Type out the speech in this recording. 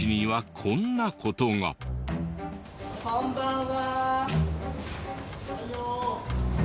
こんばんは。